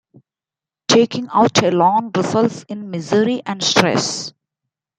Taking out a loan results in misery and stress.